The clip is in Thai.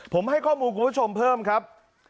ผมให้ข้อมูลคุณผู้ชมเพิ่มครับ